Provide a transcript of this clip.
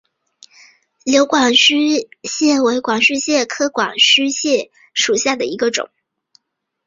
琉球管须蟹为管须蟹科管须蟹属下的一个种。